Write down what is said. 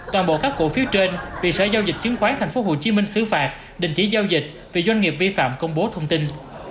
toàn bộ các cổ phiếu trên bị sở giao dịch chứng khoán tp hcm xứ phạt đình chỉ giao dịch vì doanh nghiệp vi phạm công bố thông tin